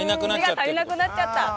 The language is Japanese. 石が足りなくなっちゃった。